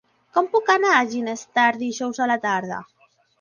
Com puc anar a Ginestar dijous a la tarda?